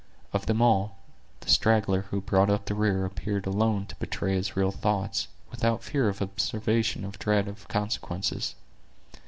Of them all, the straggler who brought up the rear appeared alone to betray his real thoughts, without fear of observation or dread of consequences.